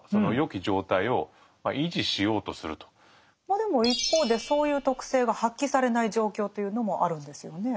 まあでも一方でそういう徳性が発揮されない状況というのもあるんですよね。